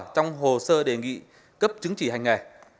trong hồ sơ đề nghị cấp chứng chỉ hành nghề